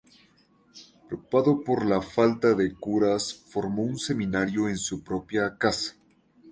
Preocupado por la falta de curas formó un seminario en su propia casa.